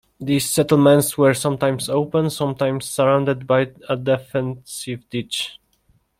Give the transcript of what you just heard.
These settlements were sometimes open, sometimes surrounded by a defensive ditch.